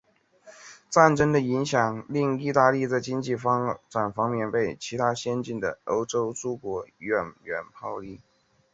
战争的影响令意大利在经济发展方面被其他先进的欧洲诸国远远抛离。